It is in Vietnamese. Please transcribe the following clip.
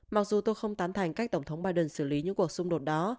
mặc dù tôi không tán thành cách tổng thống biden xử lý những cuộc xung đột đó